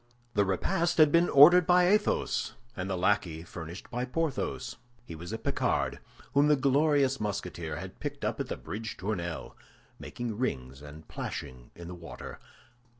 The repast had been ordered by Athos, and the lackey furnished by Porthos. He was a Picard, whom the glorious Musketeer had picked up on the Bridge Tournelle, making rings and plashing in the water.